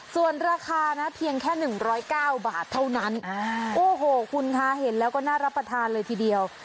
ส่วนราคานะเพียงแค่๑๐๙บาทเท่านั้นโอ้โหคุณคะเห็นแล้วก็น่ารับประทานเลยทีเดียว